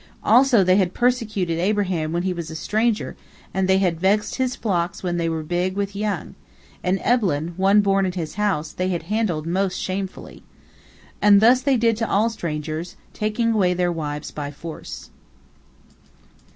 Also they had persecuted Abraham when he was a stranger, and they had vexed his flocks when they were big with young, and Eblaen, one born in his house, they had handled most shamefully. And thus they did to all strangers, taking away their wives by force.